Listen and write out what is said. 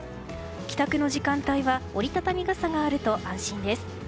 帰宅の時間帯は折り畳み傘があると安心です。